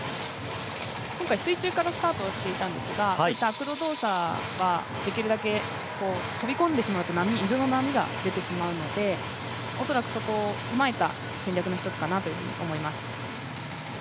今回、水中からスタートしていったんですがアクロ動作は、できるだけ飛び込んでしまうと水の波が出てしまうのでおそらくそこを踏まえた戦略の一つかなと思います。